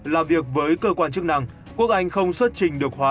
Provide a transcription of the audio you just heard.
làm việc với cơ quan chức năng quốc anh không xuất trình được hóa